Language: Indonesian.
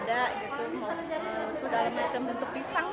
jadi ada semua pisang